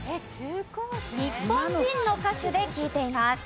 日本人の歌手で聞いています。